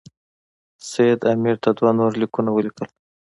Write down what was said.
سید امیر ته دوه نور لیکونه ولیکل.